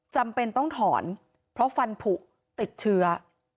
จำเป็นต้องถอนเพราะฟันผูกติดเชื้อ